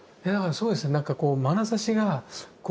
そうですね。